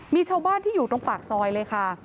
มีชาวบ้านที่อยู่ตรงปากซอยเลยค่ะ